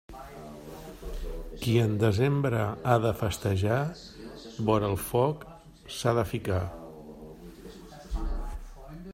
Qui en desembre ha de festejar, vora el foc s'ha de ficar.